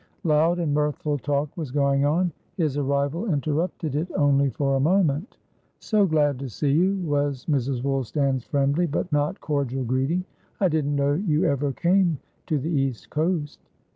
Loud and mirthful talk was going on; his arrival interrupted it only for a moment. "So glad to see you!" was Mrs. Woolstan's friendly, but not cordial, greeting. "I didn't know you ever came to the east coast."